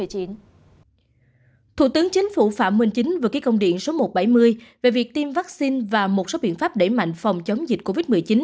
thủ tướng chính phủ phạm minh chính vừa ký công điện số một trăm bảy mươi về việc tiêm vaccine và một số biện pháp đẩy mạnh phòng chống dịch covid một mươi chín